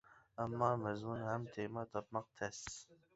ئەمما مەزمۇن ھەم تېما تاپماق تەس.